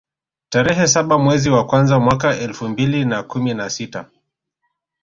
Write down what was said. tarehe saba mwezi wa kwanza mwaka elfu mbili na kumi na sita